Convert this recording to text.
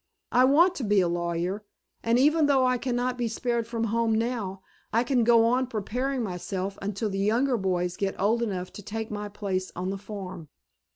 I want to be a lawyer, and even though I cannot be spared from home now I can go on preparing myself until the younger boys get old enough to take my place on the farm."